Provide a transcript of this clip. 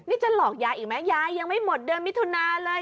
นี่จะหลอกยายอีกไหมยายยังไม่หมดเดือนมิถุนาเลย